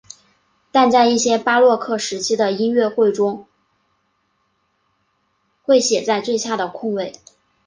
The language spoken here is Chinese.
但在一些巴洛克时期的音乐中会写在最下的空位。